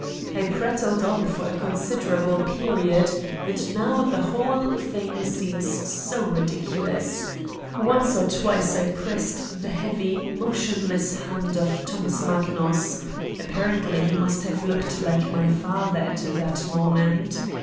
I prattled on for a considerable period and now the whole thing seems so ridiculous : Once or twice I pressed the heavy, motionless hand of Thomas Magnus: apparently he must have looked like my father at that moment.